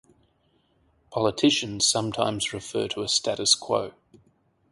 Politicians sometimes refer to a status quo.